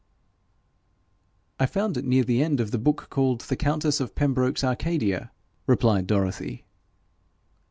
'I found it near the end of the book called "The Countess of Pembroke's Arcadia,"' replied Dorothy.